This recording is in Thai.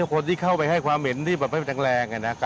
คนที่เข้าไปให้ความเห็นที่แปบเป็นสังแรง